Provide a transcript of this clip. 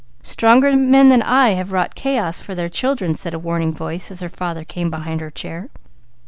Stronger men than I have wrought chaos for their children," said a warning voice, as her father came behind her chair.